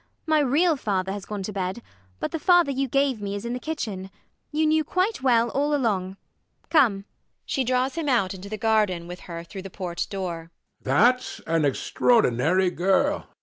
My real father has gone to bed; but the father you gave me is in the kitchen. You knew quite well all along. Come. [She draws him out into the garden with her through the port door]. HECTOR. That's an extraordinary girl.